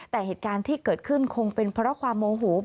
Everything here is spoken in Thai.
แต่เหตุการณ์ที่เกิดขึ้นคงเป็นเพราะความโมโห